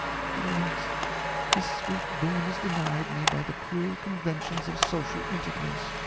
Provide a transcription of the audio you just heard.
but alas! this sweet boon is denied me by the cruel conventions of social intercourse."